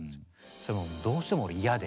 それもうどうしても嫌で。